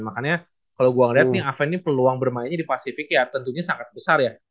makanya kalau gue ngeliat nih aven ini peluang bermainnya di pasifik ya tentunya sangat besar ya